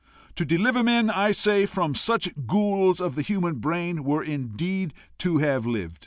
to deliver men, I say, from such ghouls of the human brain, were indeed to have lived!